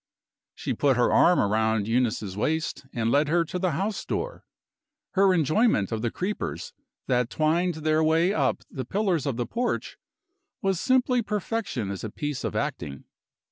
She put her arm round Eunice's waist and led her to the house door. Her enjoyment of the creepers that twined their way up the pillars of the porch was simply perfection as a piece of acting.